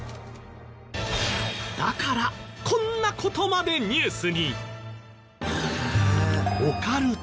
だからこんな事までニュースに！